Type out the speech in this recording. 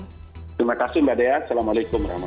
terima kasih mbak dea assalamualaikum warahmatullahi wabarakatuh